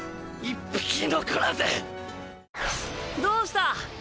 「どうした？